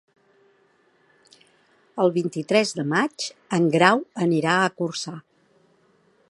El vint-i-tres de maig en Grau anirà a Corçà.